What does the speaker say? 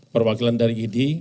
perwakilan dari idi